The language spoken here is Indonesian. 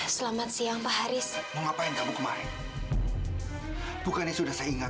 sampai jumpa di video selanjutnya